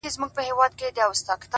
په وينو لژنده اغيار وچاته څه وركوي ـ